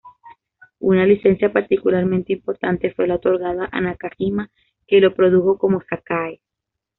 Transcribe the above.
Una licencia particularmente importante fue la otorgada a Nakajima, que lo produjo como Sakae.